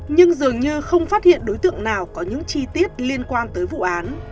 nhưng dường như không phát hiện đối tượng nào có những chi tiết liên quan tới vụ án